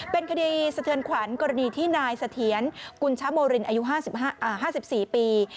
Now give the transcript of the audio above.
เป็นคดีสะเทือนขวัญกรณีที่นายเสถียรกุญชโมรินอายุ๕๔ปี